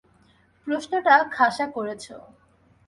প্রশ্নটা খাসা করেছ।